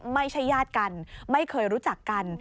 ไม่ใช่ญาติกันไม่เคยรู้จักกัน